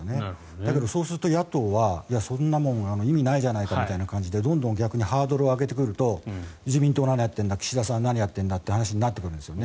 だけどそうすると野党はそんなもん意味ないじゃないかみたいな感じでどんどん逆にハードルを上げていくと自民党は何をやっているんだ岸田さん、何やってるんだって話になってくるんですよね。